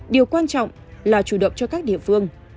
điều quan trọng là chủ động cho các địa phương